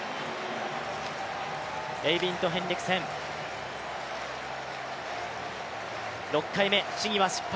エイビンド・ヘンリクセン、６回目、試技は失敗。